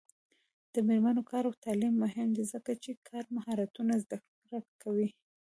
د میرمنو کار او تعلیم مهم دی ځکه چې کار مهارتونو زدکړه کوي.